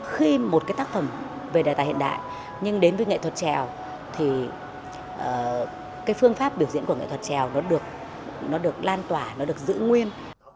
khi một tác phẩm về đài tài hiện đại nhưng đến với nghệ thuật trèo thì phương pháp biểu diễn của nghệ thuật trèo nó được lan tỏa nó được giữ nguyên